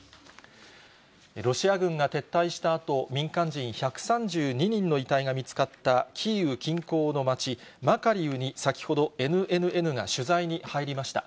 ロシア軍が撤退したあと、民間人１３２人の遺体が見つかった、キーウ近郊の町マカリウに、先ほどＮＮＮが取材に入りました。